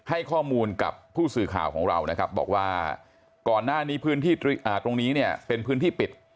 ให้ข้อมูลกับผู้สื่อข่าวของเรานะครับบอกว่าก่อนหน้านี้พื้นที่ตรงนี้เนี่ยเป็นพื้นที่ปิด